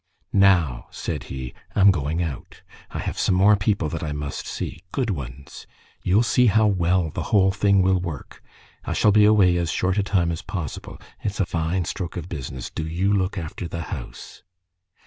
"Now," said he, "I'm going out. I have some more people that I must see. Good ones. You'll see how well the whole thing will work. I shall be away as short a time as possible, it's a fine stroke of business, do you look after the house."